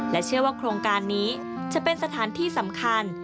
เชื่อว่าโครงการนี้จะเป็นสถานที่สำคัญ